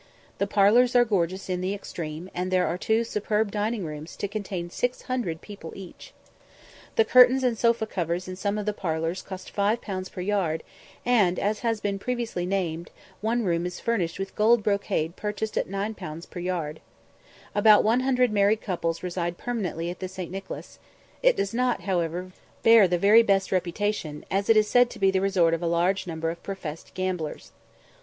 The parlours are gorgeous in the extreme, and there are two superb dining rooms to contain 600 people each. The curtains and sofa covers in some of the parlours cost 5_l._ per yard, and, as has been previously named, one room is furnished with gold brocade purchased at 9_l._ per yard. About 100 married couples reside permanently at the St. Nicholas; it does not, however, bear the very best reputation, as it is said to be the resort of a large number of professed gamblers.